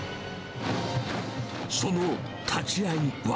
その立ち合いは。